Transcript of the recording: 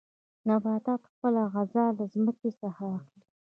نباتات خپله غذا له ځمکې څخه اخلي.